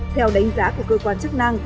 theo đánh giá của cơ quan chức năng